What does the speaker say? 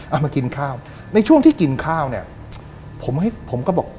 เอามากินข้าวในช่วงที่กินข้าวเนี่ยผมให้ผมก็บอก